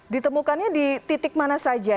ditemukannya di titik mana saja